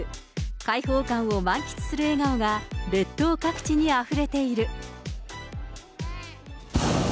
開放感を満喫する笑顔が、列島各地にあふれている。